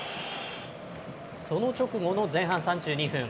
その直後の前半３２分。